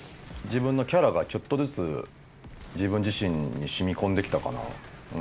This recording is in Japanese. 自分のキャラがちょっとずつ自分自身にしみこんできたかな。